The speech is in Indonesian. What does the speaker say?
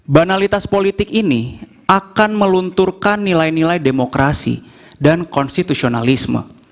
banalitas politik ini akan melunturkan nilai nilai demokrasi dan konstitusionalisme